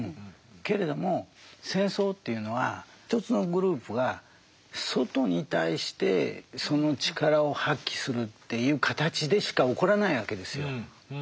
けれども戦争というのはひとつのグループが外に対してその力を発揮するっていう形でしか起こらないわけですよ。